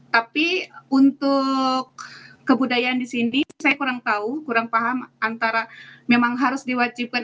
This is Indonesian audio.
tapi untuk kebudayaan di sini saya kurang tahu kurang paham antara memang harus diwajibkan